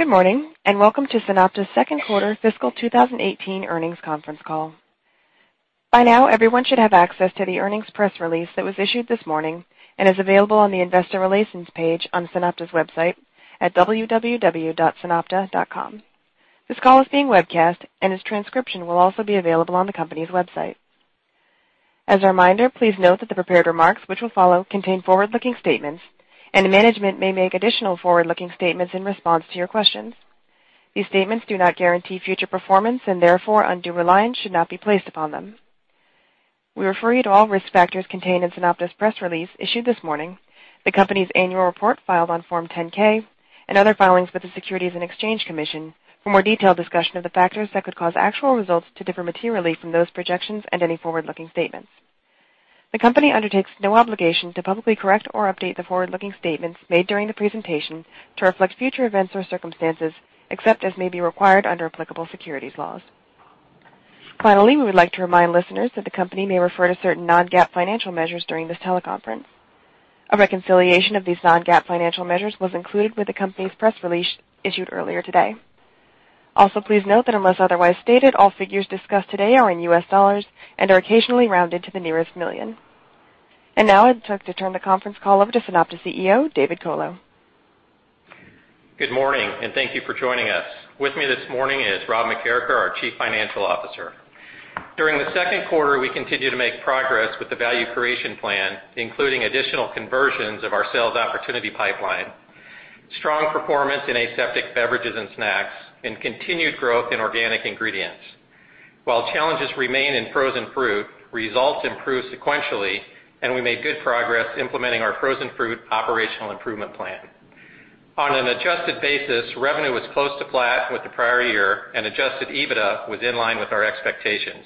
Good morning, and welcome to SunOpta's second quarter fiscal 2018 earnings conference call. By now, everyone should have access to the earnings press release that was issued this morning and is available on the investor relations page on SunOpta's website at www.sunopta.com. This call is being webcast, and this transcription will also be available on the company's website. As a reminder, please note that the prepared remarks which will follow contain forward-looking statements. Management may make additional forward-looking statements in response to your questions. These statements do not guarantee future performance, and therefore, undue reliance should not be placed upon them. We refer you to all risk factors contained in SunOpta's press release issued this morning, the company's annual report filed on Form 10-K, and other filings with the Securities and Exchange Commission for more detailed discussion of the factors that could cause actual results to differ materially from those projections and any forward-looking statements. The company undertakes no obligation to publicly correct or update the forward-looking statements made during the presentation to reflect future events or circumstances, except as may be required under applicable securities laws. Finally, we would like to remind listeners that the company may refer to certain non-GAAP financial measures during this teleconference. A reconciliation of these non-GAAP financial measures was included with the company's press release issued earlier today. Also, please note that unless otherwise stated, all figures discussed today are in US dollars and are occasionally rounded to the nearest million. Now, I'd like to turn the conference call over to SunOpta CEO, David Colo. Good morning, and thank you for joining us. With me this morning is Robert McKeracher, our Chief Financial Officer. During the second quarter, we continued to make progress with the Value Creation Plan, including additional conversions of our sales opportunity pipeline, strong performance in aseptic beverages and snacks, and continued growth in organic ingredients. While challenges remain in frozen fruit, results improved sequentially, and we made good progress implementing our frozen fruit operational improvement plan. On an adjusted basis, revenue was close to flat with the prior year, and adjusted EBITDA was in line with our expectations.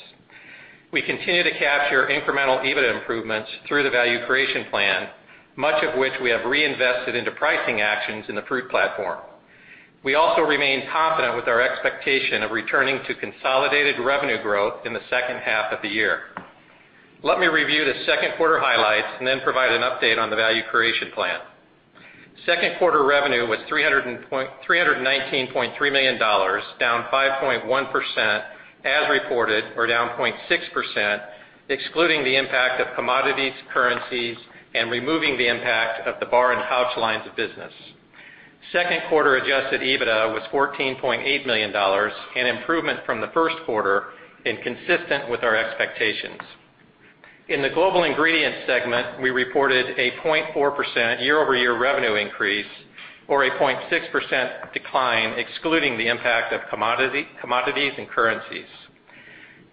We continue to capture incremental EBITDA improvements through the Value Creation Plan, much of which we have reinvested into pricing actions in the fruit platform. We remain confident with our expectation of returning to consolidated revenue growth in the second half of the year. Let me review the second quarter highlights and then provide an update on the Value Creation Plan. Second quarter revenue was $319.3 million, down 5.1% as reported, or down 0.6%, excluding the impact of commodities, currencies, and removing the impact of the bar and pouch lines of business. Second quarter adjusted EBITDA was $14.8 million, an improvement from the first quarter and consistent with our expectations. In the Global Ingredients segment, we reported a 0.4% year-over-year revenue increase, or a 0.6% decline, excluding the impact of commodities and currencies.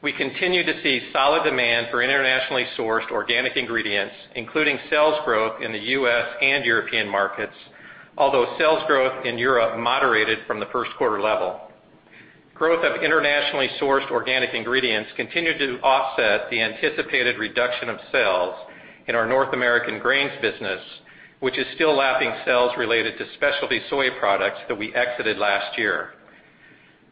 We continue to see solid demand for internationally sourced organic ingredients, including sales growth in the U.S. and European markets. Although sales growth in Europe moderated from the first quarter level. Growth of internationally sourced organic ingredients continued to offset the anticipated reduction of sales in our North American grains business, which is still lapping sales related to specialty soy products that we exited last year.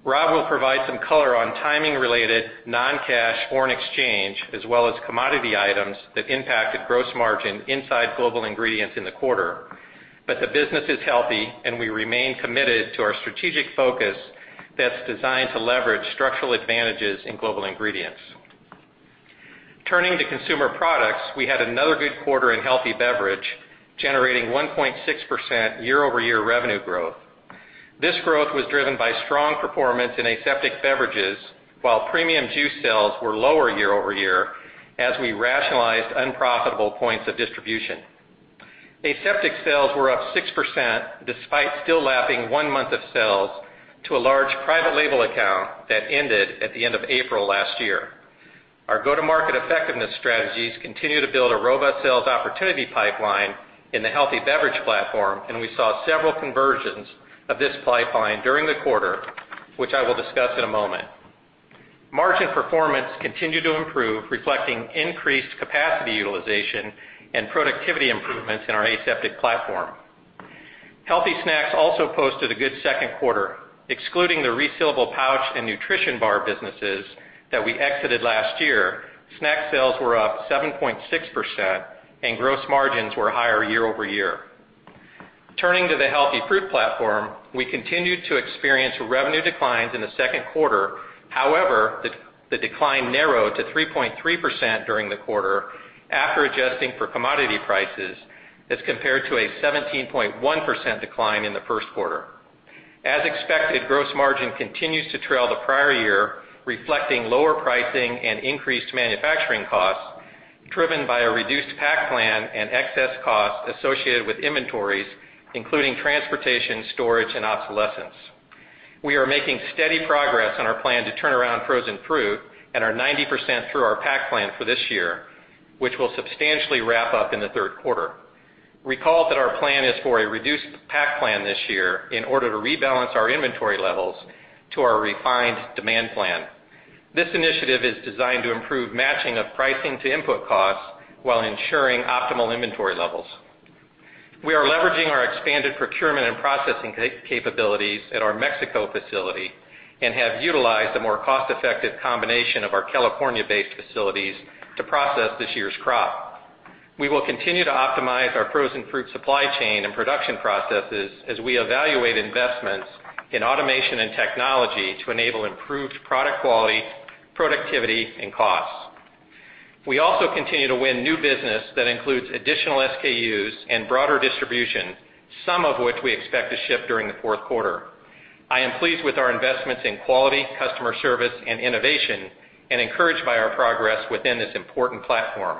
Rob will provide some color on timing related non-cash foreign exchange, as well as commodity items that impacted gross margin inside Global Ingredients in the quarter. The business is healthy, and we remain committed to our strategic focus that's designed to leverage structural advantages in Global Ingredients. Turning to Consumer Products, we had another good quarter in healthy beverage, generating 1.6% year-over-year revenue growth. This growth was driven by strong performance in aseptic beverages, while premium juice sales were lower year-over-year as we rationalized unprofitable points of distribution. Aseptic sales were up 6%, despite still lapping one month of sales to a large private label account that ended at the end of April last year. Our go-to-market effectiveness strategies continue to build a robust sales opportunity pipeline in the healthy beverage platform, and we saw several conversions of this pipeline during the quarter, which I will discuss in a moment. Margin performance continued to improve, reflecting increased capacity utilization and productivity improvements in our aseptic platform. Healthy snacks also posted a good second quarter, excluding the resealable pouch and nutrition bar businesses that we exited last year. Snack sales were up 7.6%, and gross margins were higher year-over-year. Turning to the healthy fruit platform, we continued to experience revenue declines in the second quarter. The decline narrowed to 3.3% during the quarter after adjusting for commodity prices, as compared to a 17.1% decline in the first quarter. As expected, gross margin continues to trail the prior year, reflecting lower pricing and increased manufacturing costs driven by a reduced pack plan and excess costs associated with inventories, including transportation, storage, and obsolescence. We are making steady progress on our plan to turn around frozen fruit and are 90% through our pack plan for this year, which will substantially wrap up in the third quarter. Recall that our plan is for a reduced pack plan this year in order to rebalance our inventory levels to our refined demand plan. This initiative is designed to improve matching of pricing to input costs while ensuring optimal inventory levels. We are leveraging our expanded procurement and processing capabilities at our Mexico facility and have utilized a more cost-effective combination of our California-based facilities to process this year's crop. We will continue to optimize our frozen fruit supply chain and production processes as we evaluate investments in automation and technology to enable improved product quality, productivity, and costs. We also continue to win new business that includes additional SKUs and broader distribution, some of which we expect to ship during the fourth quarter. I am pleased with our investments in quality, customer service, and innovation, and encouraged by our progress within this important platform.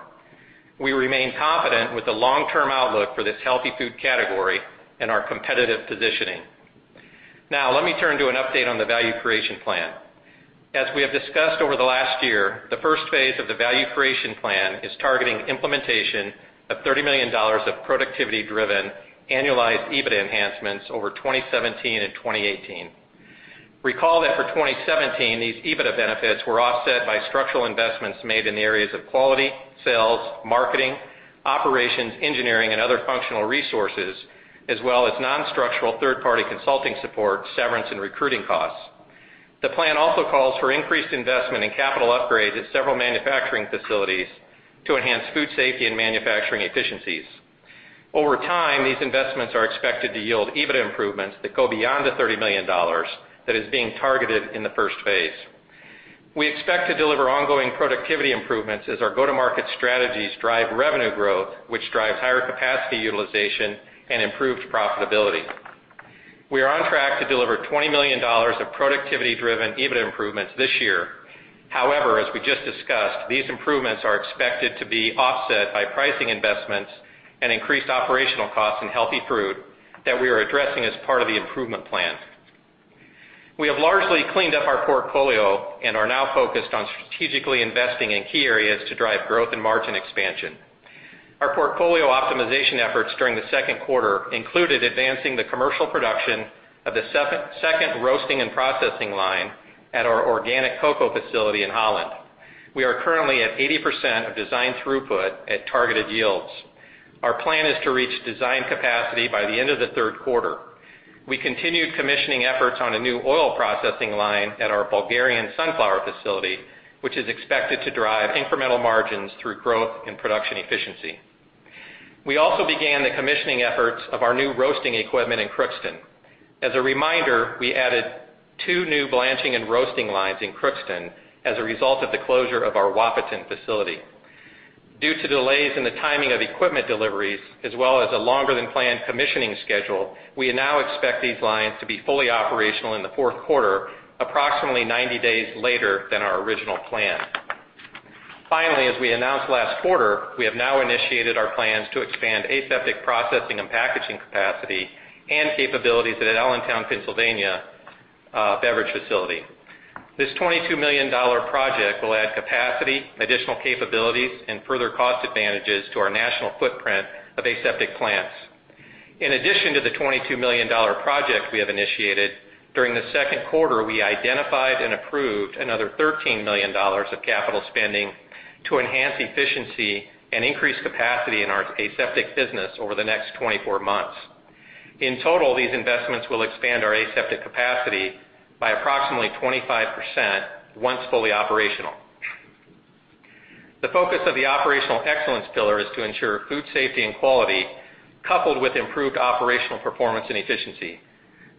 We remain confident with the long-term outlook for this healthy food category and our competitive positioning. Now, let me turn to an update on the Value Creation Plan. As we have discussed over the last year, the first phase of the Value Creation Plan is targeting implementation of $30 million of productivity-driven annualized EBITDA enhancements over 2017 and 2018. Recall that for 2017, these EBITDA benefits were offset by structural investments made in the areas of quality, sales, marketing, operations, engineering, and other functional resources, as well as non-structural third-party consulting support, severance, and recruiting costs. The plan also calls for increased investment in capital upgrades at several manufacturing facilities to enhance food safety and manufacturing efficiencies. Over time, these investments are expected to yield EBITDA improvements that go beyond the $30 million that is being targeted in the first phase. We expect to deliver ongoing productivity improvements as our go-to-market strategies drive revenue growth, which drives higher capacity utilization and improved profitability. We are on track to deliver $20 million of productivity-driven EBITDA improvements this year. As we just discussed, these improvements are expected to be offset by pricing investments and increased operational costs in healthy fruit that we are addressing as part of the improvement plan. We have largely cleaned up our portfolio and are now focused on strategically investing in key areas to drive growth and margin expansion. Our portfolio optimization efforts during the second quarter included advancing the commercial production of the second roasting and processing line at our organic cocoa facility in Holland. We are currently at 80% of design throughput at targeted yields. Our plan is to reach design capacity by the end of the third quarter. We continued commissioning efforts on a new oil processing line at our Bulgarian sunflower facility, which is expected to drive incremental margins through growth and production efficiency. We also began the commissioning efforts of our new roasting equipment in Crookston. As a reminder, we added two new blanching and roasting lines in Crookston as a result of the closure of our Wahpeton facility. Due to delays in the timing of equipment deliveries, as well as a longer than planned commissioning schedule, we now expect these lines to be fully operational in the fourth quarter, approximately 90 days later than our original plan. Finally, as we announced last quarter, we have now initiated our plans to expand aseptic processing and packaging capacity and capabilities at Allentown, Pennsylvania beverage facility. This $22 million project will add capacity, additional capabilities, and further cost advantages to our national footprint of aseptic plants. In addition to the $22 million project we have initiated, during the second quarter, we identified and approved another $13 million of capital spending to enhance efficiency and increase capacity in our aseptic business over the next 24 months. In total, these investments will expand our aseptic capacity by approximately 25% once fully operational. The focus of the operational excellence pillar is to ensure food safety and quality, coupled with improved operational performance and efficiency.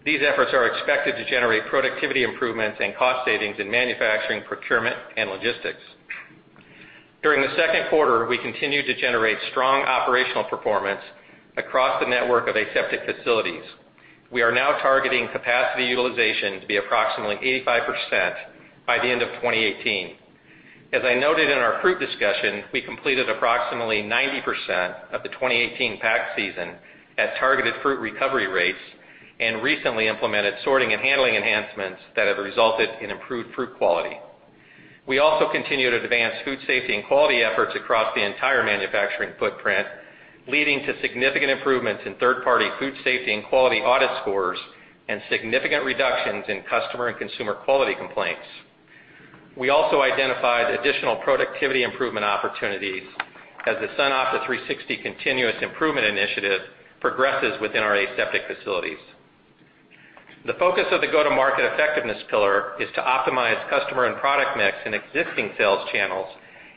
These efforts are expected to generate productivity improvements and cost savings in manufacturing, procurement, and logistics. During the second quarter, we continued to generate strong operational performance across the network of aseptic facilities. We are now targeting capacity utilization to be approximately 85% by the end of 2018. As I noted in our fruit discussion, we completed approximately 90% of the 2018 pack season at targeted fruit recovery rates and recently implemented sorting and handling enhancements that have resulted in improved fruit quality. We also continue to advance food safety and quality efforts across the entire manufacturing footprint, leading to significant improvements in third-party food safety and quality audit scores and significant reductions in customer and consumer quality complaints. We also identified additional productivity improvement opportunities as the SunOpta 360 continuous improvement initiative progresses within our aseptic facilities. The focus of the go-to-market effectiveness pillar is to optimize customer and product mix in existing sales channels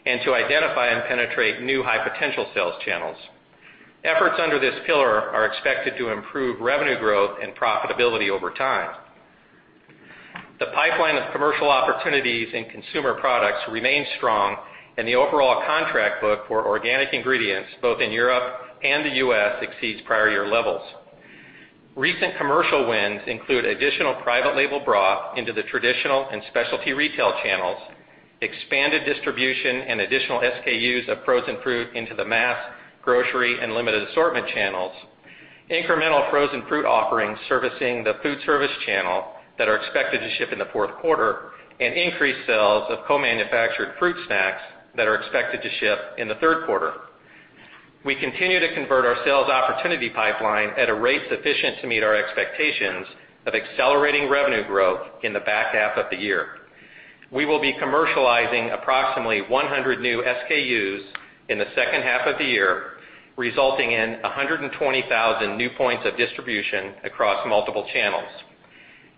and to identify and penetrate new high-potential sales channels. Efforts under this pillar are expected to improve revenue growth and profitability over time. The pipeline of commercial opportunities in Consumer Products remains strong, and the overall contract book for organic ingredients both in Europe and the U.S. exceeds prior year levels. Recent commercial wins include additional private label brought into the traditional and specialty retail channels, expanded distribution and additional SKUs of frozen fruit into the mass, grocery, and limited assortment channels, incremental frozen fruit offerings servicing the food service channel that are expected to ship in the fourth quarter, and increased sales of co-manufactured fruit snacks that are expected to ship in the third quarter. We continue to convert our sales opportunity pipeline at a rate sufficient to meet our expectations of accelerating revenue growth in the back half of the year. We will be commercializing approximately 100 new SKUs in the second half of the year, resulting in 120,000 new points of distribution across multiple channels.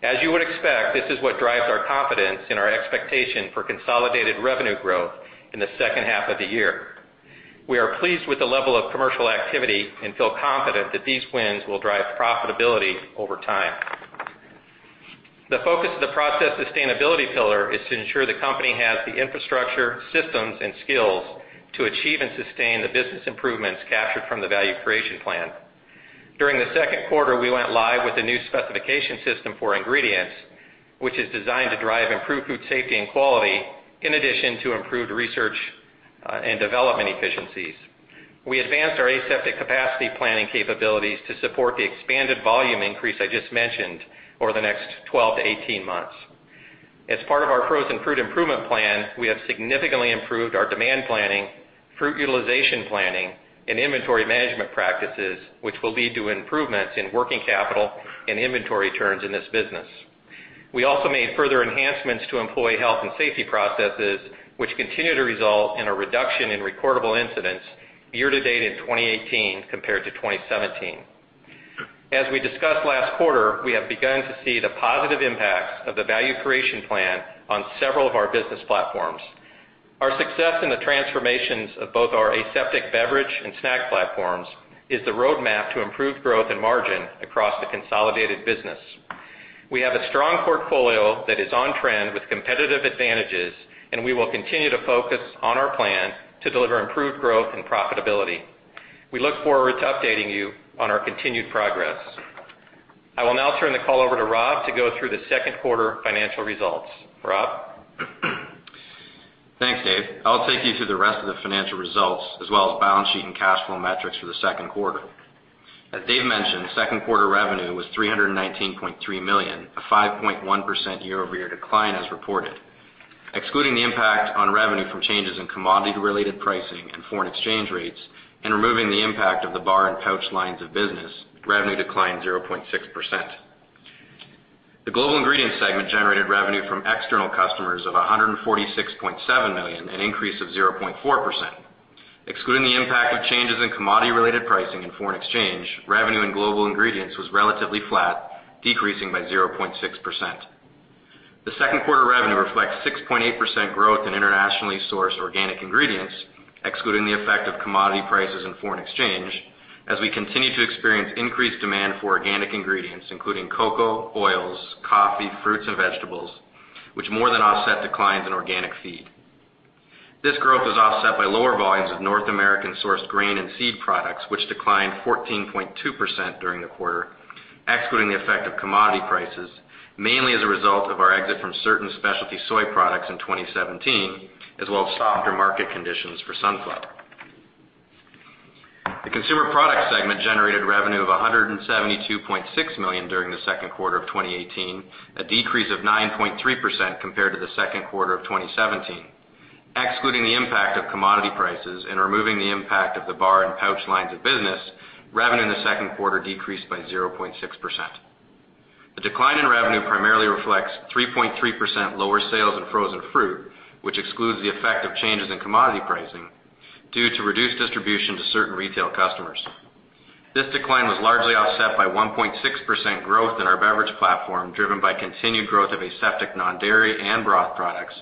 As you would expect, this is what drives our confidence in our expectation for consolidated revenue growth in the second half of the year. We are pleased with the level of commercial activity and feel confident that these wins will drive profitability over time. The focus of the process sustainability pillar is to ensure the company has the infrastructure, systems, and skills to achieve and sustain the business improvements captured from the Value Creation Plan. During the second quarter, we went live with a new specification system for ingredients, which is designed to drive improved food safety and quality, in addition to improved research and development efficiencies. We advanced our aseptic capacity planning capabilities to support the expanded volume increase I just mentioned over the next 12 to 18 months. As part of our frozen fruit improvement plan, we have significantly improved our demand planning, fruit utilization planning, and inventory management practices, which will lead to improvements in working capital and inventory turns in this business. We also made further enhancements to employee health and safety processes, which continue to result in a reduction in recordable incidents year to date in 2018 compared to 2017. As we discussed last quarter, we have begun to see the positive impacts of the Value Creation Plan on several of our business platforms. Our success in the transformations of both our aseptic beverage and snack platforms is the roadmap to improved growth and margin across the consolidated business. We have a strong portfolio that is on trend with competitive advantages, and we will continue to focus on our plan to deliver improved growth and profitability. We look forward to updating you on our continued progress. I will now turn the call over to Rob to go through the second quarter financial results. Rob? Thanks, Dave. I'll take you through the rest of the financial results as well as balance sheet and cash flow metrics for the second quarter. As Dave mentioned, second quarter revenue was $319.3 million, a 5.1% year-over-year decline as reported. Excluding the impact on revenue from changes in commodity-related pricing and foreign exchange rates, and removing the impact of the bar and pouch lines of business, revenue declined 0.6%. The Global Ingredients segment generated revenue from external customers of $146.7 million, an increase of 0.4%. Excluding the impact of changes in commodity-related pricing and foreign exchange, revenue in Global Ingredients was relatively flat, decreasing by 0.6%. The second quarter revenue reflects 6.8% growth in internationally sourced organic ingredients, excluding the effect of commodity prices and foreign exchange, as we continue to experience increased demand for organic ingredients, including cocoa, oils, coffee, fruits, and vegetables, which more than offset declines in organic feed. This growth was offset by lower volumes of North American-sourced grain and seed products, which declined 14.2% during the quarter, excluding the effect of commodity prices, mainly as a result of our exit from certain specialty soy products in 2017, as well as softer market conditions for sunflower. The Consumer Products segment generated revenue of $172.6 million during the second quarter of 2018, a decrease of 9.3% compared to the second quarter of 2017. Excluding the impact of commodity prices and removing the impact of the bar and pouch lines of business, revenue in the second quarter decreased by 0.6%. The decline in revenue primarily reflects 3.3% lower sales in frozen fruit, which excludes the effect of changes in commodity pricing due to reduced distribution to certain retail customers. This decline was largely offset by 1.6% growth in our beverage platform, driven by continued growth of aseptic non-dairy and broth products,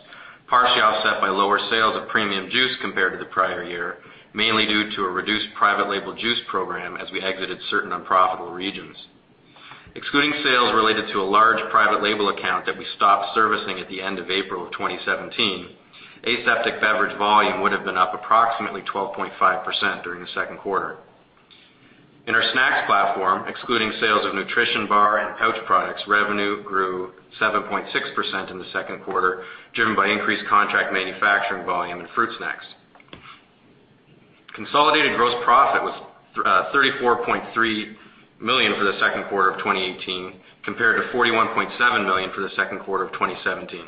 partially offset by lower sales of premium juice compared to the prior year, mainly due to a reduced private label juice program as we exited certain unprofitable regions. Excluding sales related to a large private label account that we stopped servicing at the end of April of 2017, aseptic beverage volume would've been up approximately 12.5% during the second quarter. In our snacks platform, excluding sales of nutrition bar and pouch products, revenue grew 7.6% in the second quarter, driven by increased contract manufacturing volume in fruit snacks. Consolidated gross profit was $34.3 million for the second quarter of 2018, compared to $41.7 million for the second quarter of 2017.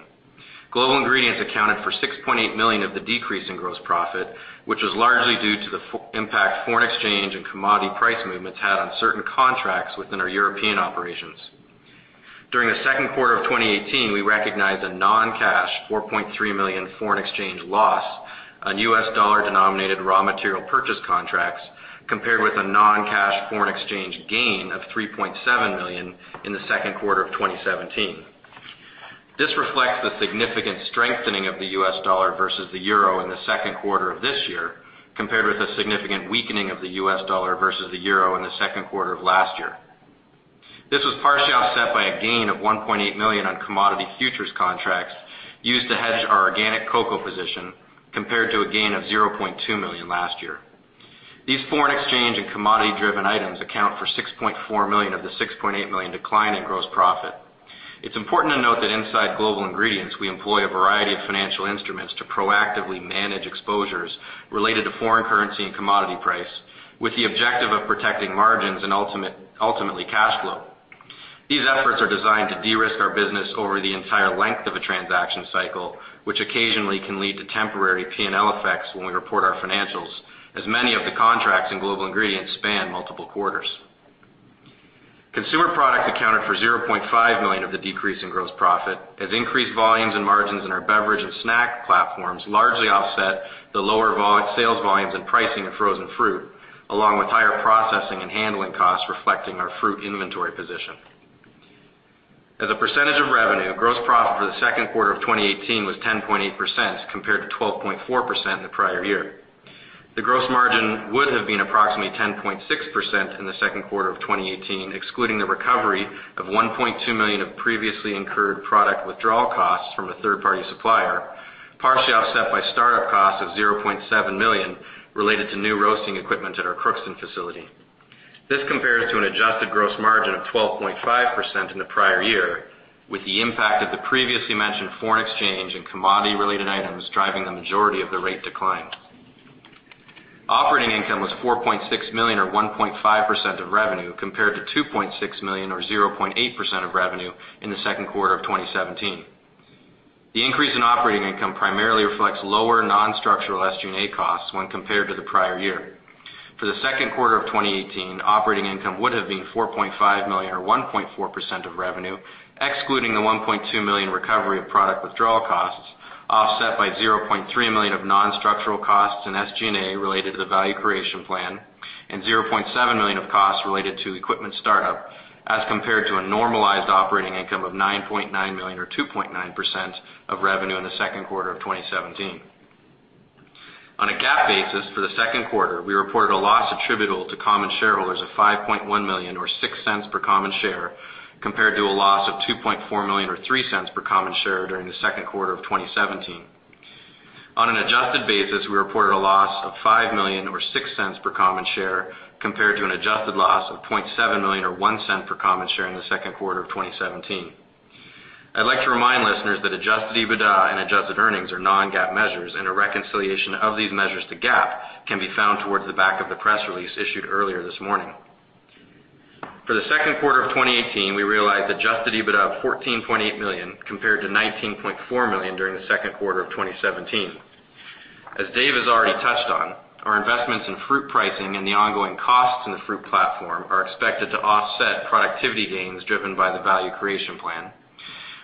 Global Ingredients accounted for $6.8 million of the decrease in gross profit, which was largely due to the impact foreign exchange and commodity price movements had on certain contracts within our European operations. During the second quarter of 2018, we recognized a non-cash $4.3 million foreign exchange loss on U.S. dollar-denominated raw material purchase contracts, compared with a non-cash foreign exchange gain of $3.7 million in the second quarter of 2017. This reflects the significant strengthening of the U.S. dollar versus the EUR in the second quarter of this year, compared with the significant weakening of the U.S. dollar versus the EUR in the second quarter of last year. This was partially offset by a gain of $1.8 million on commodity futures contracts used to hedge our organic cocoa position, compared to a gain of $0.2 million last year. These foreign exchange and commodity-driven items account for $6.4 million of the $6.8 million decline in gross profit. It's important to note that inside Global Ingredients, we employ a variety of financial instruments to proactively manage exposures related to foreign currency and commodity price, with the objective of protecting margins and ultimately cash flow. These efforts are designed to de-risk our business over the entire length of a transaction cycle, which occasionally can lead to temporary P&L effects when we report our financials, as many of the contracts in Global Ingredients span multiple quarters. Consumer Products accounted for $0.5 million of the decrease in gross profit, as increased volumes and margins in our beverage and snack platforms largely offset the lower sales volumes and pricing of frozen fruit, along with higher processing and handling costs reflecting our fruit inventory position. As a percentage of revenue, gross profit for the second quarter of 2018 was 10.8% compared to 12.4% in the prior year. The gross margin would have been approximately 10.6% in the second quarter of 2018, excluding the recovery of $1.2 million of previously incurred product withdrawal costs from a third-party supplier, partially offset by start-up costs of $0.7 million related to new roasting equipment at our Crookston facility. This compares to an adjusted gross margin of 12.5% in the prior year, with the impact of the previously mentioned foreign exchange and commodity-related items driving the majority of the rate decline. Operating income was $4.6 million or 1.5% of revenue, compared to $2.6 million or 0.8% of revenue in the second quarter of 2017. The increase in operating income primarily reflects lower non-structural SG&A costs when compared to the prior year. For the second quarter of 2018, operating income would have been $4.5 million or 1.4% of revenue, excluding the $1.2 million recovery of product withdrawal costs, offset by $0.3 million of non-structural costs and SG&A related to the Value Creation Plan and $0.7 million of costs related to equipment start-up, as compared to a normalized operating income of $9.9 million or 2.9% of revenue in the second quarter of 2017. On a GAAP basis for the second quarter, we reported a loss attributable to common shareholders of $5.1 million or $0.06 per common share, compared to a loss of $2.4 million or $0.03 per common share during the second quarter of 2017. On an adjusted basis, we reported a loss of $5 million or $0.06 per common share, compared to an adjusted loss of $0.7 million or $0.01 per common share in the second quarter of 2017. I'd like to remind listeners that adjusted EBITDA and adjusted earnings are non-GAAP measures, and a reconciliation of these measures to GAAP can be found towards the back of the press release issued earlier this morning. For the second quarter of 2018, we realized adjusted EBITDA of $14.8 million compared to $19.4 million during the second quarter of 2017. As Dave has already touched on, our investments in fruit pricing and the ongoing costs in the fruit platform are expected to offset productivity gains driven by the Value Creation Plan.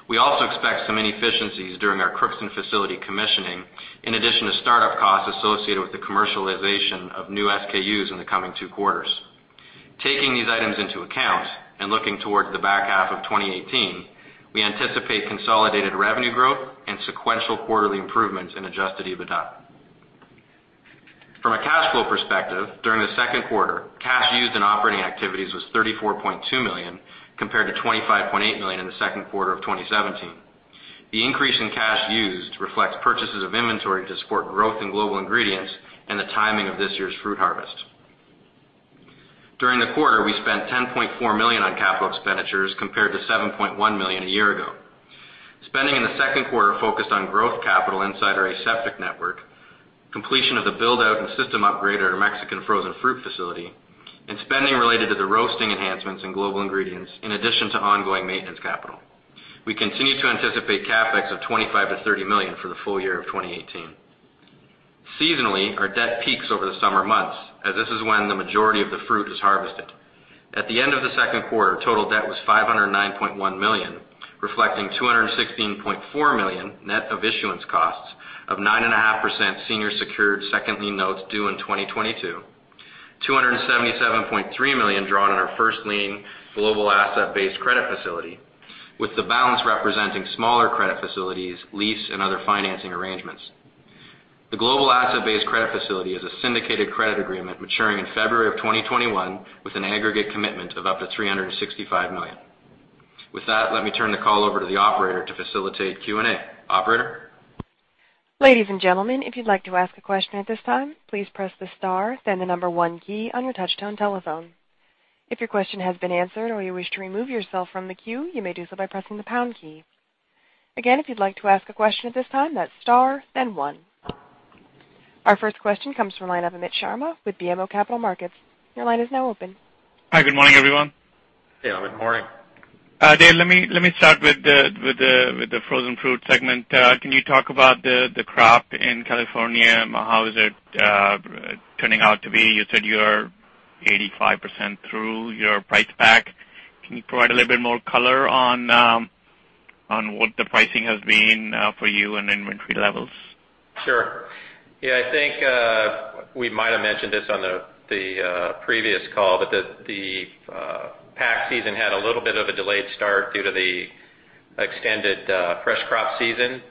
We also expect some inefficiencies during our Crookston facility commissioning, in addition to start-up costs associated with the commercialization of new SKUs in the coming two quarters. Taking these items into account and looking towards the back half of 2018, we anticipate consolidated revenue growth and sequential quarterly improvements in adjusted EBITDA. From a cash flow perspective, during the second quarter, cash used in operating activities was $34.2 million, compared to $25.8 million in the second quarter of 2017. The increase in cash used reflects purchases of inventory to support growth in Global Ingredients and the timing of this year's fruit harvest. During the quarter, we spent $10.4 million on capital expenditures compared to $7.1 million a year ago. Spending in the second quarter focused on growth capital inside our aseptic network, completion of the build-out and system upgrade at our Mexican frozen fruit facility, and spending related to the roasting enhancements in Global Ingredients, in addition to ongoing maintenance capital. We continue to anticipate CapEx of $25 million-$30 million for the full year of 2018. Seasonally, our debt peaks over the summer months, as this is when the majority of the fruit is harvested. At the end of the second quarter, total debt was $509.1 million, reflecting $216.4 million net of issuance costs of 9.5% senior secured second lien notes due in 2022, $277.3 million drawn on our first lien global asset-based credit facility, with the balance representing smaller credit facilities, lease, and other financing arrangements. The global asset-based credit facility is a syndicated credit agreement maturing in February of 2021 with an aggregate commitment of up to $365 million. With that, let me turn the call over to the operator to facilitate Q&A. Operator? Ladies and gentlemen, if you'd like to ask a question at this time, please press the star then the number one key on your touchtone telephone. If your question has been answered or you wish to remove yourself from the queue, you may do so by pressing the pound key. Again, if you'd like to ask a question at this time, that's star then one. Our first question comes from the line of Amit Sharma with BMO Capital Markets. Your line is now open. Hi, good morning, everyone. Hey, Amit. Morning. Dave, let me start with the frozen fruit segment. Can you talk about the crop in California? How is it turning out to be? You said you're 85% through your price pack. Can you provide a little bit more color on what the pricing has been for you and inventory levels? Sure. I think we might have mentioned this on the previous call, but the pack season had a little bit of a delayed start due to the extended fresh crop season.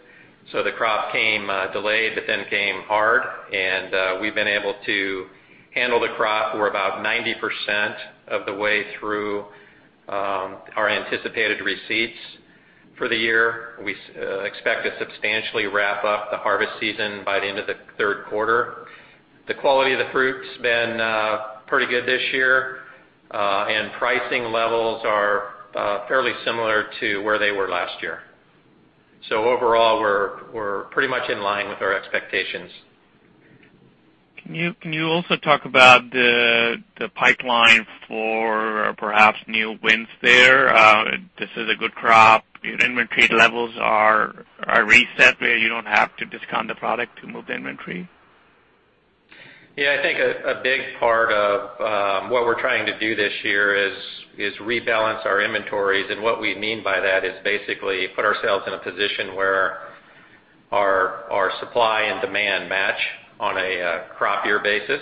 The crop came delayed but then came hard, and we've been able to handle the crop. We're about 90% of the way through our anticipated receipts for the year. We expect to substantially wrap up the harvest season by the end of the third quarter. The quality of the fruit's been pretty good this year, and pricing levels are fairly similar to where they were last year. Overall, we're pretty much in line with our expectations. Can you also talk about the pipeline for perhaps new wins there? This is a good crop. Your inventory levels are reset, where you don't have to discount the product to move the inventory. I think a big part of what we're trying to do this year is rebalance our inventories, and what we mean by that is basically put ourselves in a position where our supply and demand match on a crop year basis.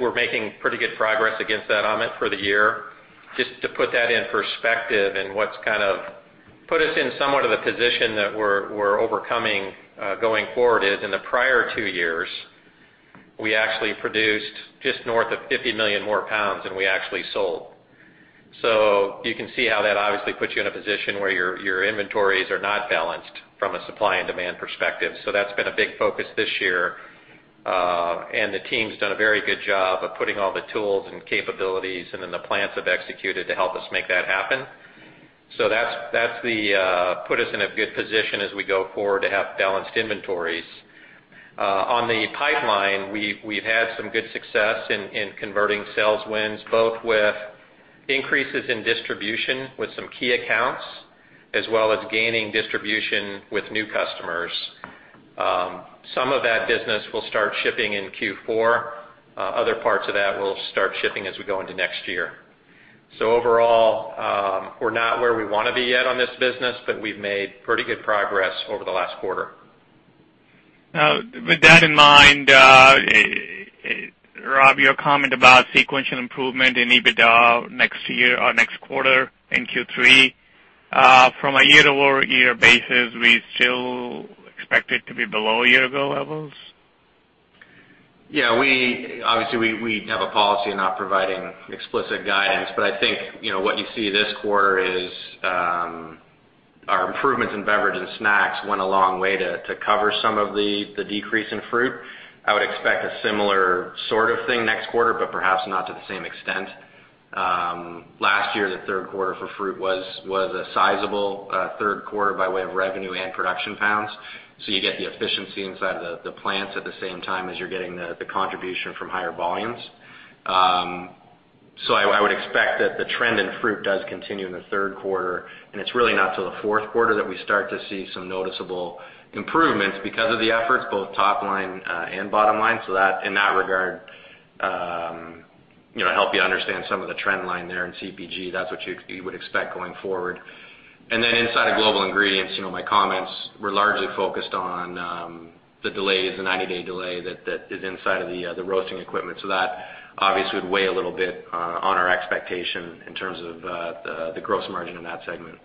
We're making pretty good progress against that, Amit, for the year. Just to put that in perspective and what's put us in somewhat of a position that we're overcoming going forward is, in the prior two years, we actually produced just north of 50 million more pounds than we actually sold. You can see how that obviously puts you in a position where your inventories are not balanced from a supply and demand perspective. That's been a big focus this year. The team's done a very good job of putting all the tools and capabilities, and then the plants have executed to help us make that happen. That's put us in a good position as we go forward to have balanced inventories. On the pipeline, we've had some good success in converting sales wins, both with increases in distribution with some key accounts, as well as gaining distribution with new customers. Some of that business will start shipping in Q4. Other parts of that will start shipping as we go into next year. Overall, we're not where we want to be yet on this business, but we've made pretty good progress over the last quarter. With that in mind, Rob, your comment about sequential improvement in EBITDA next quarter in Q3, from a year-over-year basis, we still expect it to be below year-ago levels? Yeah. Obviously, we have a policy of not providing explicit guidance, but I think, what you see this quarter is our improvements in beverage and snacks went a long way to cover some of the decrease in fruit. I would expect a similar sort of thing next quarter, but perhaps not to the same extent. Last year, the third quarter for fruit was a sizable third quarter by way of revenue and production pounds. You get the efficiency inside the plants at the same time as you're getting the contribution from higher volumes. I would expect that the trend in fruit does continue in the third quarter, and it's really not till the fourth quarter that we start to see some noticeable improvements because of the efforts, both top line and bottom line. In that regard, help you understand some of the trend line there in CPG, that's what you would expect going forward. Inside of Global Ingredients, my comments were largely focused on the delays, the 90-day delay that is inside of the roasting equipment. That obviously would weigh a little bit on our expectation in terms of the gross margin in that segment.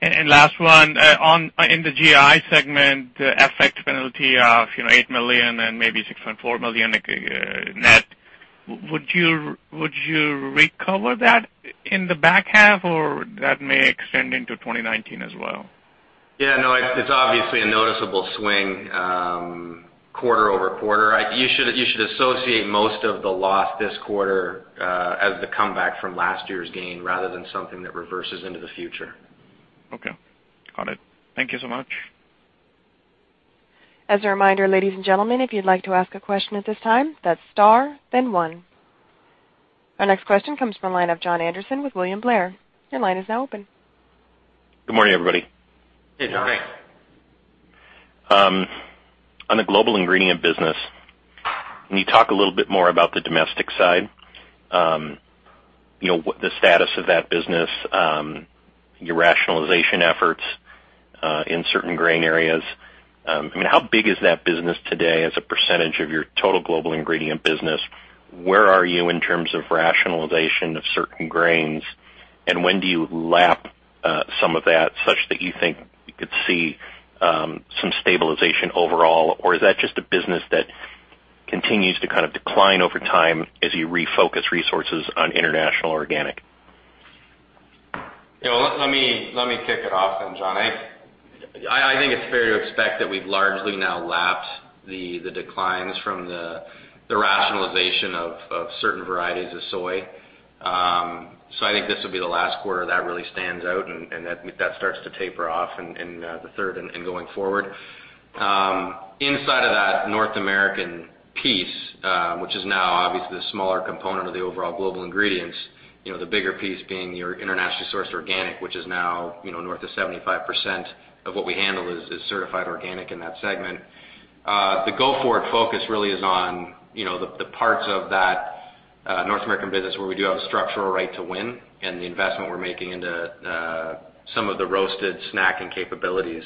Last one, in the GI segment, the FX penalty of $8 million and maybe $6.4 million net, would you recover that in the back half, or that may extend into 2019 as well? Yeah, no, it's obviously a noticeable swing quarter-over-quarter. You should associate most of the loss this quarter as the comeback from last year's gain rather than something that reverses into the future. Okay. Got it. Thank you so much. As a reminder, ladies and gentlemen, if you'd like to ask a question at this time, that's star then one. Our next question comes from the line of Jon Andersen with William Blair. Your line is now open. Good morning, everybody. Hey, Jon. On the Global Ingredients business, can you talk a little bit more about the domestic side? The status of that business, your rationalization efforts in certain grain areas. How big is that business today as a percentage of your total Global Ingredients business? Where are you in terms of rationalization of certain grains, and when do you lap some of that such that you think you could see some stabilization overall? Or is that just a business that continues to decline over time as you refocus resources on international organic? Let me kick it off then, Jon. I think it's fair to expect that we've largely now lapped the declines from the rationalization of certain varieties of soy. I think this will be the last quarter that really stands out and that starts to taper off in the third and going forward. Inside of that North American piece, which is now obviously the smaller component of the overall Global Ingredients, the bigger piece being your internationally sourced organic, which is now north of 75% of what we handle is certified organic in that segment. The go-forward focus really is on the parts of that North American business where we do have a structural right to win and the investment we're making into some of the roasted snacking capabilities.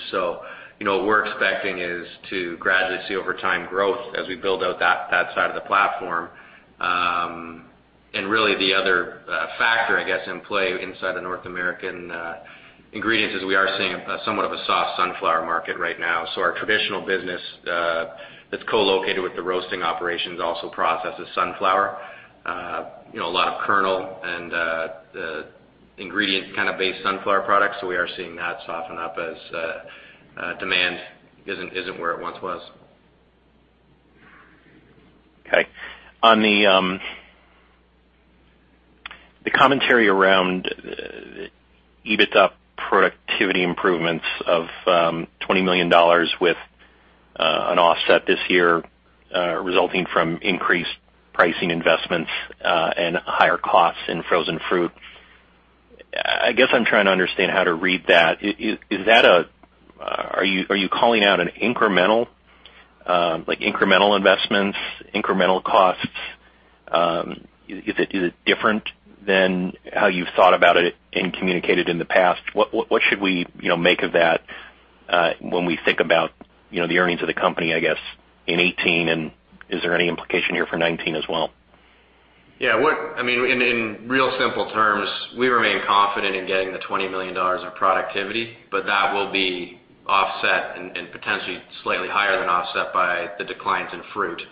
What we're expecting is to gradually see over time growth as we build out that side of the platform. Really the other factor, I guess, in play inside the North American ingredients is we are seeing somewhat of a soft sunflower market right now. Our traditional business that's co-located with the roasting operations also processes sunflower, a lot of kernel and ingredient base sunflower products. We are seeing that soften up as demand isn't where it once was. Okay. On the commentary around EBITDA productivity improvements of $20 million with an offset this year resulting from increased pricing investments and higher costs in frozen fruit, I guess I'm trying to understand how to read that. Are you calling out an incremental Like incremental investments, incremental costs, is it different than how you've thought about it and communicated in the past? What should we make of that when we think about the earnings of the company, I guess, in 2018, and is there any implication here for 2019 as well? Yeah. In real simple terms, we remain confident in getting the $20 million of productivity, that will be offset and potentially slightly higher than offset by the declines in fruit.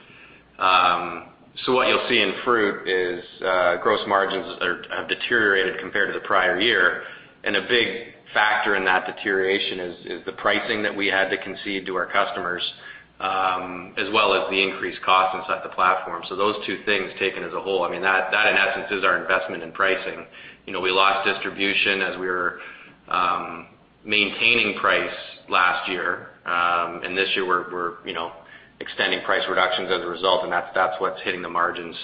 What you'll see in fruit is gross margins have deteriorated compared to the prior year, and a big factor in that deterioration is the pricing that we had to concede to our customers, as well as the increased cost inside the platform. Those two things taken as a whole, that in essence is our investment in pricing. We lost distribution as we were maintaining price last year. This year, we're extending price reductions as a result, and that's what's hitting the margin.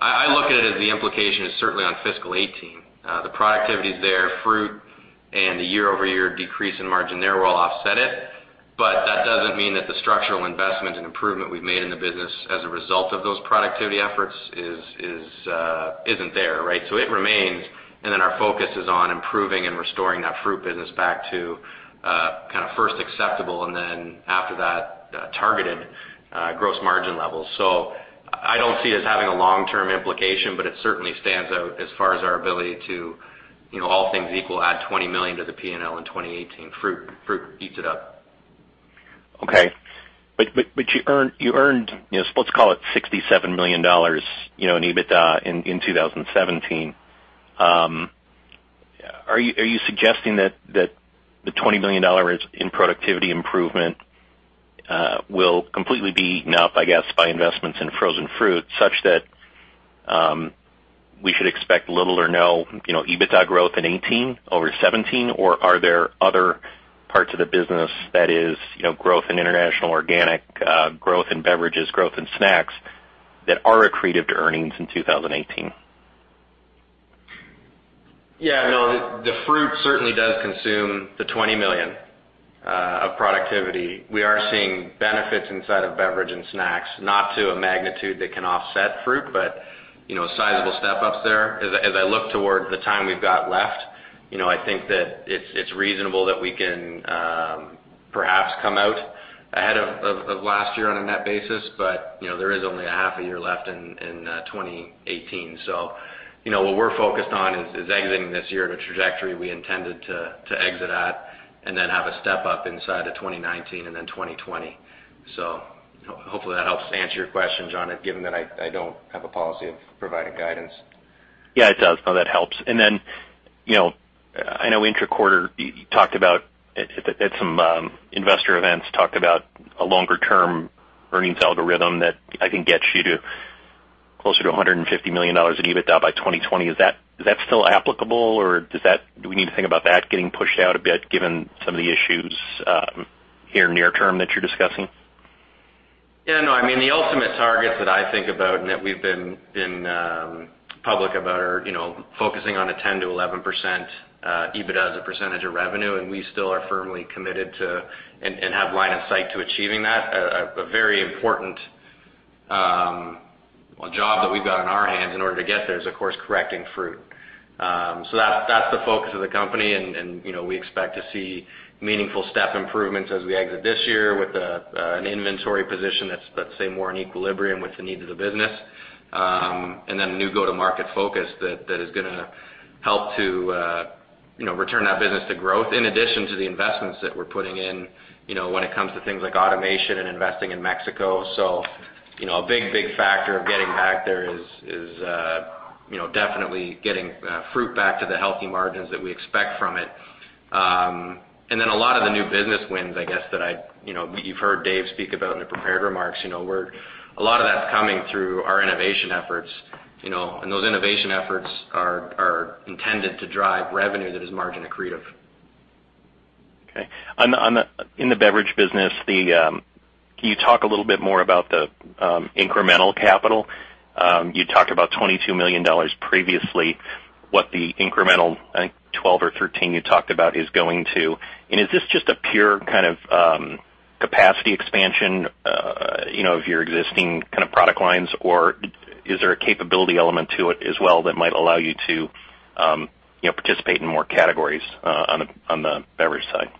I look at it as the implication is certainly on fiscal 2018. The productivity is there, fruit and the year-over-year decrease in margin there will offset it. That doesn't mean that the structural investment and improvement we've made in the business as a result of those productivity efforts isn't there, right? It remains, and then our focus is on improving and restoring that fruit business back to first acceptable, and then after that, targeted gross margin levels. I don't see it as having a long-term implication, but it certainly stands out as far as our ability to, all things equal, add $20 million to the P&L in 2018. Fruit eats it up. Okay. You earned, let's call it $67 million in EBITDA in 2017. Are you suggesting that the $20 million in productivity improvement will completely be eaten up, I guess, by investments in frozen fruit, such that we should expect little or no EBITDA growth in 2018 over 2017? Are there other parts of the business that is growth in international, organic growth in beverages, growth in snacks that are accretive to earnings in 2018? Yeah, no, the fruit certainly does consume the $20 million of productivity. We are seeing benefits inside of beverage and snacks, not to a magnitude that can offset fruit, but sizable step-ups there. As I look toward the time we've got left, I think that it's reasonable that we can perhaps come out ahead of last year on a net basis, but there is only a half a year left in 2018. What we're focused on is exiting this year at a trajectory we intended to exit at, and then have a step-up inside of 2019 and then 2020. Hopefully that helps to answer your question, Jon, given that I don't have a policy of providing guidance. Yeah, it does. No, that helps. I know intra-quarter, at some investor events, talked about a longer-term earnings algorithm that I think gets you to closer to $150 million in EBITDA by 2020. Is that still applicable, or do we need to think about that getting pushed out a bit given some of the issues here near term that you're discussing? Yeah, no, the ultimate targets that I think about and that we've been public about are focusing on a 10%-11% EBITDA as a percentage of revenue, and we still are firmly committed to and have line of sight to achieving that. A very important job that we've got on our hands in order to get there is, of course, correcting fruit. That's the focus of the company, and we expect to see meaningful step improvements as we exit this year with an inventory position that's, let's say, more in equilibrium with the needs of the business. A new go-to-market focus that is going to help to return that business to growth, in addition to the investments that we're putting in when it comes to things like automation and investing in Mexico. A big factor of getting back there is definitely getting fruit back to the healthy margins that we expect from it. A lot of the new business wins, I guess, that you've heard Dave speak about in the prepared remarks, a lot of that's coming through our innovation efforts. Those innovation efforts are intended to drive revenue that is margin accretive. Okay. In the beverage business, can you talk a little bit more about the incremental capital? You talked about $22 million previously, what the incremental, I think 12 or 13 you talked about is going to. Is this just a pure kind of capacity expansion of your existing product lines, or is there a capability element to it as well that might allow you to participate in more categories on the beverage side?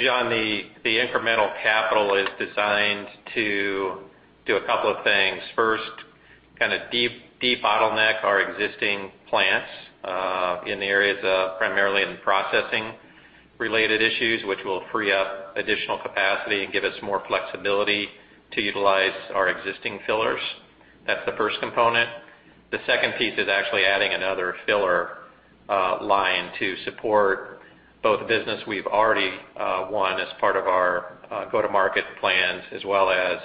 Jon, the incremental capital is designed to do a couple of things. First, de-bottleneck our existing plants in the areas of primarily in processing-related issues, which will free up additional capacity and give us more flexibility to utilize our existing fillers. That's the first component. The second piece is actually adding another filler line to support both business we've already won as part of our go-to-market plans, as well as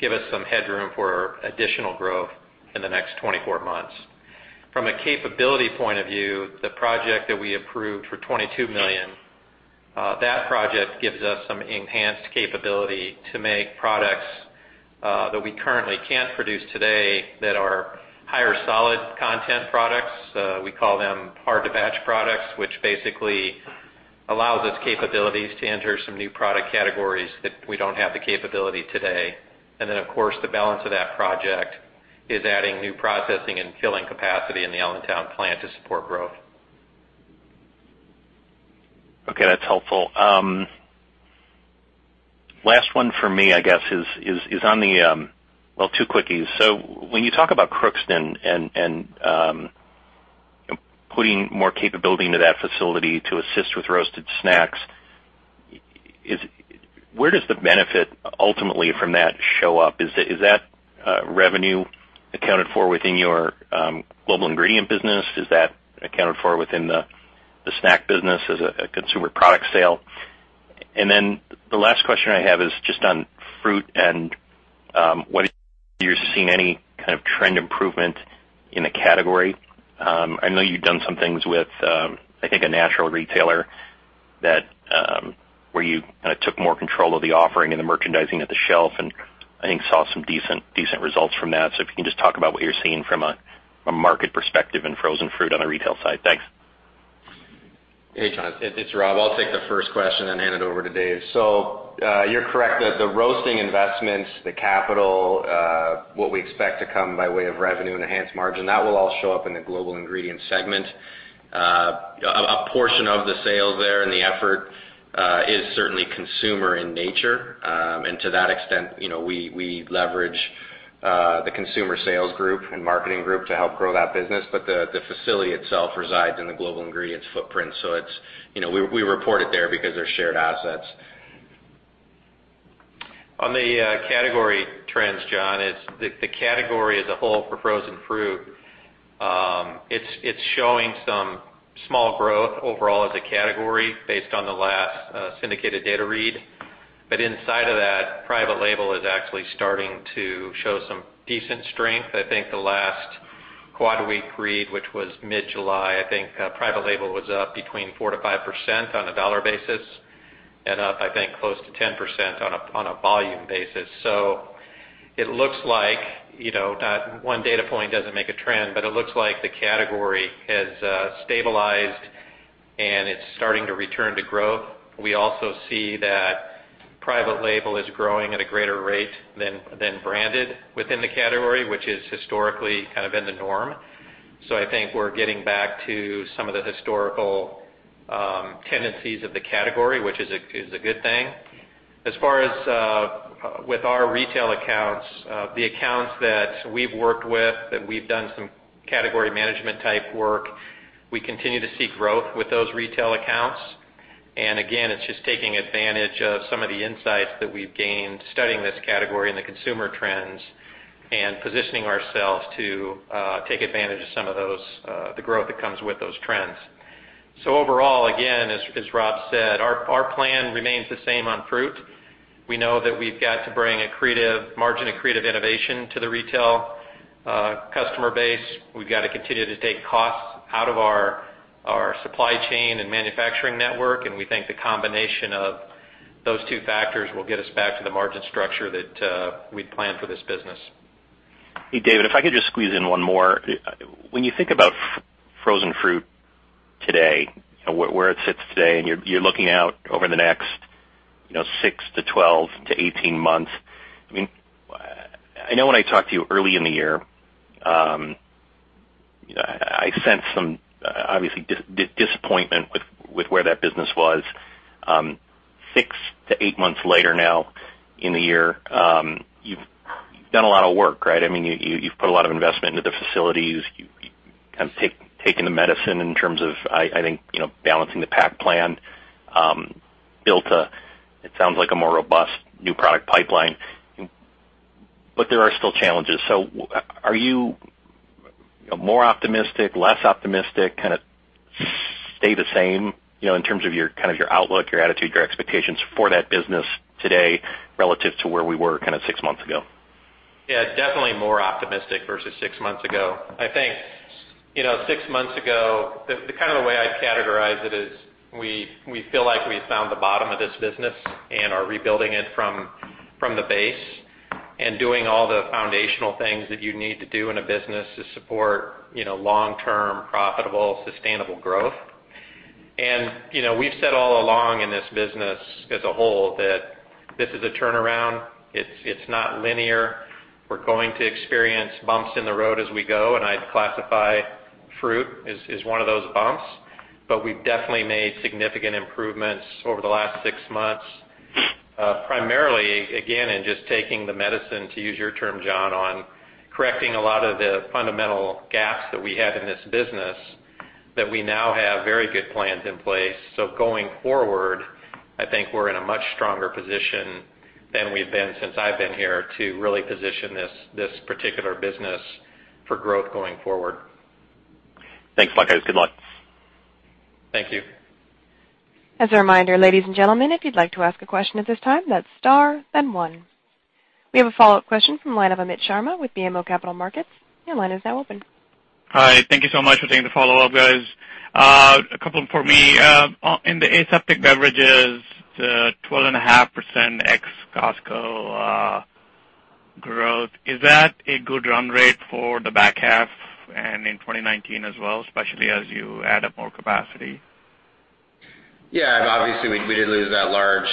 give us some headroom for additional growth in the next 24 months. From a capability point of view, the project that we approved for $22 million, that project gives us some enhanced capability to make products that we currently can't produce today that are higher solid content products. We call them hard-to-batch products, which basically allows us capabilities to enter some new product categories that we don't have the capability today. Then, of course, the balance of that project is adding new processing and filling capacity in the Allentown plant to support growth. Okay, that's helpful. Last one from me, I guess, is on the well, two quickies. When you talk about Crookston and putting more capability into that facility to assist with roasted snacks, where does the benefit ultimately from that show up? Is that revenue accounted for within your Global Ingredients business? Is that accounted for within the snack business as a Consumer Products sale? The last question I have is just on fruit, and you're seeing any kind of trend improvement in the category? I know you've done some things with, I think, a natural retailer where you took more control of the offering and the merchandising at the shelf and I think saw some decent results from that. If you can just talk about what you're seeing from a market perspective in frozen fruit on the retail side. Thanks. Hey, Jon, it's Rob. I'll take the first question and hand it over to Dave. You're correct that the roasting investments, the capital, what we expect to come by way of revenue and enhanced margin, that will all show up in the Global Ingredients segment. A portion of the sale there and the effort is certainly consumer in nature. To that extent, we leverage the consumer sales group and marketing group to help grow that business. The facility itself resides in the Global Ingredients footprint, so we report it there because they're shared assets. On the category trends, Jon, the category as a whole for frozen fruit, it's showing some small growth overall as a category based on the last syndicated data read. Inside of that, private label is actually starting to show some decent strength. I think the last quad week read, which was mid-July, I think private label was up between 4%-5% on a dollar basis and up, I think, close to 10% on a volume basis. It looks like, one data point doesn't make a trend, but it looks like the category has stabilized, and it's starting to return to growth. We also see that private label is growing at a greater rate than branded within the category, which is historically kind of been the norm. I think we're getting back to some of the historical tendencies of the category, which is a good thing. As far as with our retail accounts, the accounts that we've worked with, that we've done some category management type work, we continue to see growth with those retail accounts. Again, it's just taking advantage of some of the insights that we've gained studying this category and the consumer trends and positioning ourselves to take advantage of some of those, the growth that comes with those trends. Overall, again, as Rob said, our plan remains the same on fruit. We know that we've got to bring margin accretive innovation to the retail customer base. We've got to continue to take costs out of our supply chain and manufacturing network, and we think the combination of those two factors will get us back to the margin structure that we'd planned for this business. Hey, David, if I could just squeeze in one more. When you think about frozen fruit today, where it sits today, and you're looking out over the next 6 to 12 to 18 months, I know when I talked to you early in the year, I sense some, obviously, disappointment with where that business was. 6 to 8 months later now in the year, you've done a lot of work, right? You've put a lot of investment into the facilities. You've taken the medicine in terms of, I think, balancing the pack plan, built a, it sounds like, a more robust new product pipeline. There are still challenges. Are you more optimistic, less optimistic, kind of stay the same, in terms of your outlook, your attitude, your expectations for that business today relative to where we were 6 months ago? Yeah, definitely more optimistic versus six months ago. I think, six months ago, the way I'd categorize it is we feel like we've found the bottom of this business and are rebuilding it from the base and doing all the foundational things that you need to do in a business to support long-term, profitable, sustainable growth. We've said all along in this business as a whole that this is a turnaround. It's not linear. We're going to experience bumps in the road as we go, and I'd classify fruit as one of those bumps. We've definitely made significant improvements over the last six months, primarily, again, in just taking the medicine, to use your term, Jon, on correcting a lot of the fundamental gaps that we had in this business, that we now have very good plans in place. Going forward, I think we're in a much stronger position than we've been since I've been here to really position this particular business for growth going forward. Thanks, guys. Good luck. Thank you. As a reminder, ladies and gentlemen, if you'd like to ask a question at this time, that's star, then one. We have a follow-up question from the line of Amit Sharma with BMO Capital Markets. Your line is now open. Hi. Thank you so much for taking the follow-up, guys. A couple for me. In the aseptic beverages, the 12.5% ex Costco growth, is that a good run rate for the back half and in 2019 as well, especially as you add up more capacity? Yeah. Obviously, we did lose that large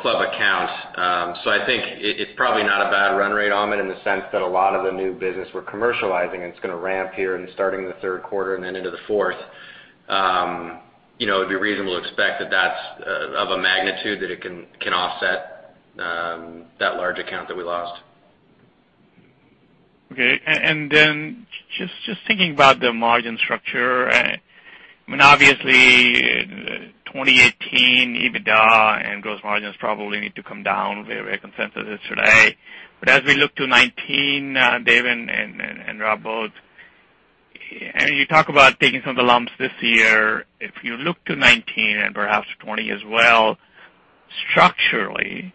club account. I think it's probably not a bad run rate, Amit, in the sense that a lot of the new business we're commercializing, it's going to ramp here and starting in the third quarter and then into the fourth. It'd be reasonable to expect that that's of a magnitude that it can offset that large account that we lost. Okay. Then just thinking about the margin structure, obviously, 2018 EBITDA and gross margins probably need to come down, where consensus is today. As we look to 2019, Dave and Rob both, you talk about taking some of the lumps this year, if you look to 2019 and perhaps 2020 as well, structurally,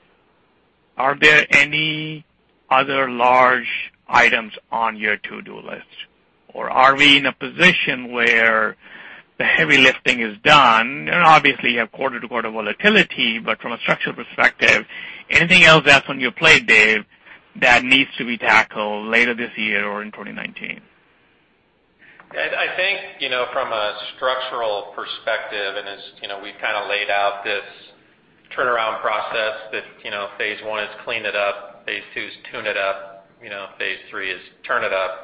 are there any other large items on your to-do list? Are we in a position where the heavy lifting is done? Obviously, you have quarter-to-quarter volatility, but from a structural perspective, anything else that's on your plate, Dave, that needs to be tackled later this year or in 2019? I think, from a structural perspective, as we've laid out this turnaround process, that phase 1 is clean it up, phase 2 is tune it up, phase 3 is turn it up.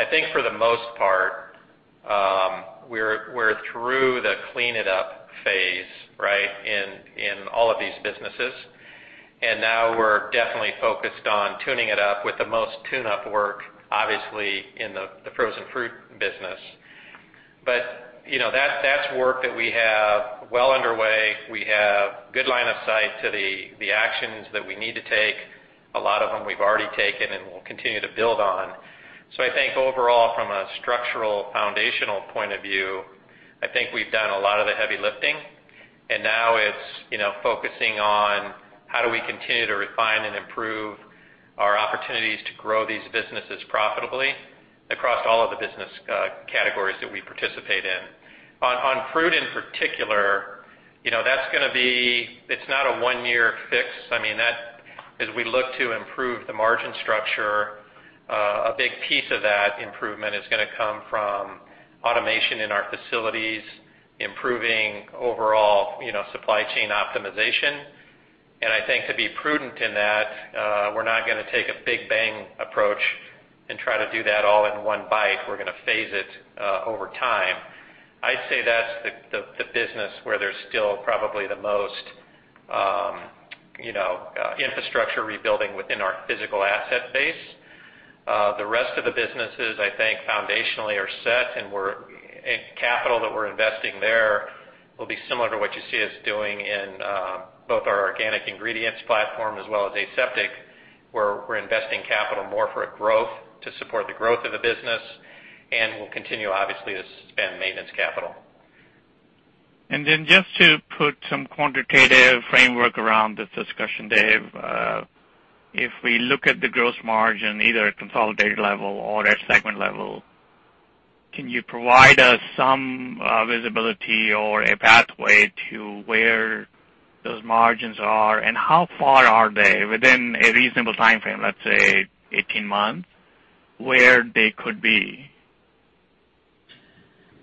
I think for the most part, we're through the clean it up phase in all of these businesses. Now we're definitely focused on tuning it up with the most tune-up work, obviously, in the frozen fruit business. That's work that we have well underway. We have good line of sight to the actions that we need to take. A lot of them we've already taken and will continue to build on. I think overall, from a structural, foundational point of view, I think we've done a lot of the heavy lifting, now it's focusing on how do we continue to refine and improve our opportunities to grow these businesses profitably across all of the business categories that we participate in. On fruit, in particular, it's not a one-year fix. As we look to improve the margin structure, a big piece of that improvement is going to come from automation in our facilities, improving overall supply chain optimization. I think to be prudent in that, we're not going to take a big bang approach and try to do that all in one bite. We're going to phase it over time. I'd say that's the business where there's still probably the most infrastructure rebuilding within our physical asset base. The rest of the businesses, I think foundationally are set, capital that we're investing there will be similar to what you see us doing in both our organic ingredients platform as well as aseptic, where we're investing capital more for growth to support the growth of the business, we'll continue, obviously, to spend maintenance capital. Just to put some quantitative framework around this discussion, Dave, if we look at the gross margin, either at consolidated level or at segment level, can you provide us some visibility or a pathway to where those margins are and how far are they within a reasonable timeframe, let's say 18 months, where they could be?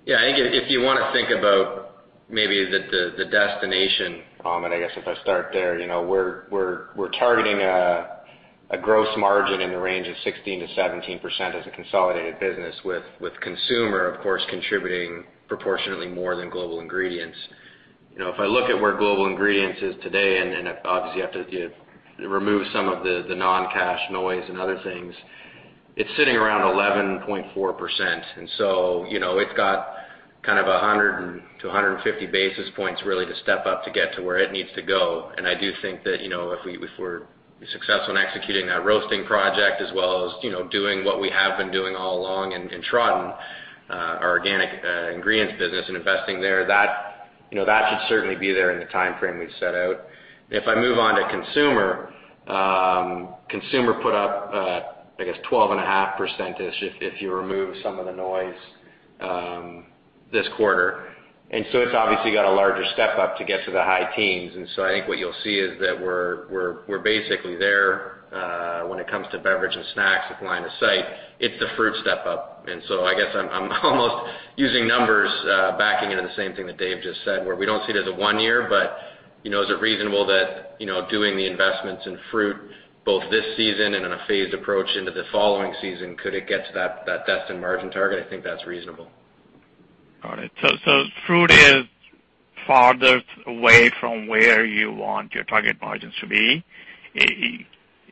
Yeah, I think if you want to think about maybe the destination, Amit, I guess if I start there, we're targeting a gross margin in the range of 16%-17% as a consolidated business with Consumer, of course, contributing proportionately more than Global Ingredients. If I look at where Global Ingredients is today, obviously you have to remove some of the non-cash noise and other things, it's sitting around 11.4%. So it's got 100 to 150 basis points really to step up to get to where it needs to go. I do think that if we're successful in executing that roasting project, as well as doing what we have been doing all along in Tradin, our organic ingredients business and investing there, that should certainly be there in the timeframe we've set out. If I move on to Consumer put up, I guess, 12.5% if you remove some of the noise this quarter. It's obviously got a larger step up to get to the high teens. I think what you'll see is that we're basically there when it comes to beverage and snacks with line of sight. It's the fruit step up. I guess I'm almost using numbers backing into the same thing that Dave just said, where we don't see it as a one year, but is it reasonable that doing the investments in fruit both this season and in a phased approach into the following season, could it get to that destined margin target? I think that's reasonable. Got it. Fruit is farthest away from where you want your target margins to be.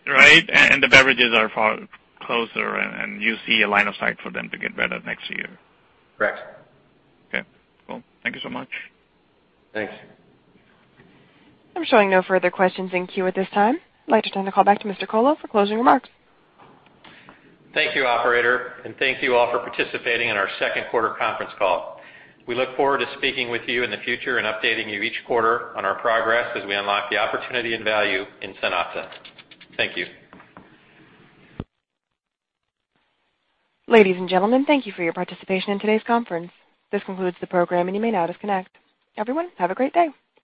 Right? The beverages are far closer, and you see a line of sight for them to get better next year. Correct. Okay, cool. Thank you so much. Thanks. I'm showing no further questions in queue at this time. I'd like to turn the call back to Mr. Colo for closing remarks. Thank you, operator, thank you all for participating in our second quarter conference call. We look forward to speaking with you in the future and updating you each quarter on our progress as we unlock the opportunity and value in SunOpta. Thank you. Ladies and gentlemen, thank you for your participation in today's conference. This concludes the program, you may now disconnect. Everyone, have a great day.